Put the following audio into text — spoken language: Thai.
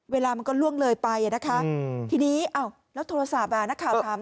เวลามันก็ล่วงเลยไปนะคะทีนี้แล้วโทรศัพท์อ่ะนักข่าวถาม